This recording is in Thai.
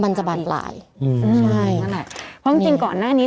มันจะบานปลายอืมใช่นั่นแหละเพราะจริงจริงก่อนหน้านี้